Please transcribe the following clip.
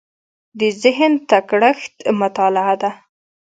د ذهن تکړښت مطالعه ده.